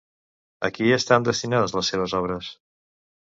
A qui estan destinades les seves obres?